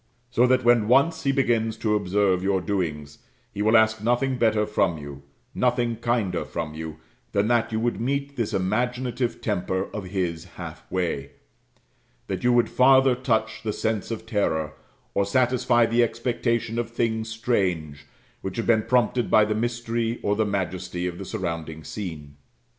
So that when once he begins to observe your doings, he will ask nothing better from you, nothing kinder from you, than that you would meet this imaginative temper of his half way; that you would farther touch the sense of terror, or satisfy the expectation of things strange, which have been prompted by the mystery or the majesty of the surrounding scene.